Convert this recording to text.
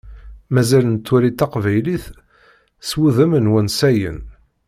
Mazal nettwali taqbaylit s wudem n wansayen.